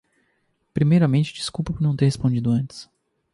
Primeiramente, desculpa por não ter te respondido antes.